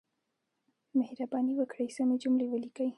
مهرباني وکړئ سمې جملې ولیکئ.